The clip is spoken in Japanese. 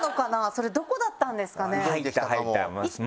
それどこだったんですかね？